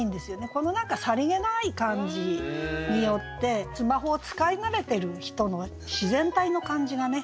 この何かさりげない感じによってスマホを使い慣れてる人の自然体の感じがね